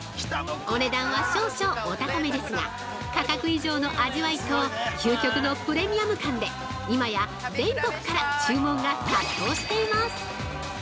お値段は少々お高めですが、価格以上の味わいと、究極のプレミアム感で、今や、全国から注文が殺到しています。